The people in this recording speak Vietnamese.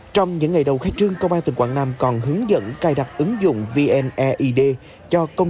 trong những ngày đầu khai trương công an tỉnh quảng nam còn hướng dẫn cài đặt ứng dụng vneid cho công